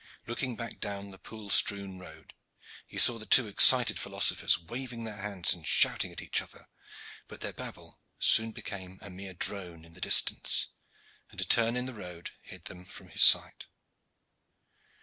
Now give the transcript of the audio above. Looking back down the pool strewn road, he saw the two excited philosophers waving their hands and shouting at each other, but their babble soon became a mere drone in the distance, and a turn in the road hid them from his sight.